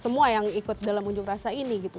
semua yang ikut dalam unjuk rasa ini gitu